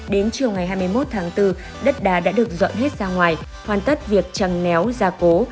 đến chiều ngày hai mươi một tháng bốn đất đá đã được dọn hết ra ngoài hoàn tất việc trăng néo gia cố